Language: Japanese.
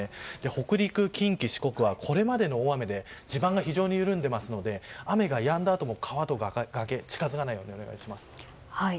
北陸、近畿、四国はこれまでの大雨で地盤が非常に緩んでいますので雨が止んだあとも川とか崖に近づかないようお願いします。